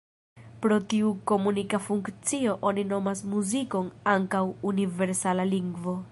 Pro tiu komunika funkcio oni nomas muzikon ankaŭ ""universala lingvo"".